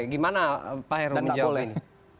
gimana pak heru menjawab ini